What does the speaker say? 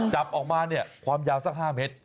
จับออกมาเนี่ยความยาวสัก๕เมตร